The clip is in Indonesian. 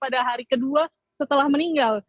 pada hari kedua setelah meninggal